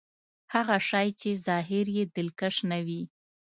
هغه شی چې ظاهر يې دلکش نه وي.